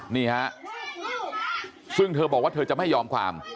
นี่ฮะซึ่งเธอบอกว่าเธอจะไม่ยอมความ